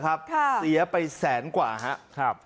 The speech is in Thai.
เสียไปแสนกว่าครับ